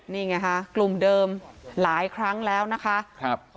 นี่ไงค่ะกลุ่มเดิมหลายครั้งแล้วนะคะ